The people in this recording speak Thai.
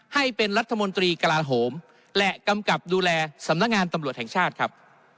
ให้เป็นรัฐมนตรีกลาโหมและกำกับดูแลสำนักงานตำรวจแห่งชาติครับ